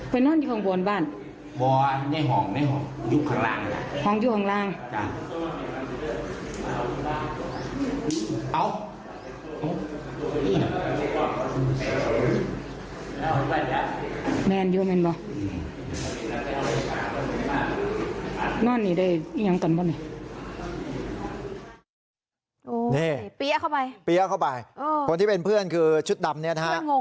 ปี้เอาเข้าไปพวกนี้เป็นเพื่อนคือชุดดำเนี่ยนะฮะ